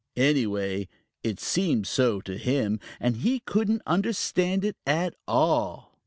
Anyway, it seemed so to him, and he couldn't understand it at all.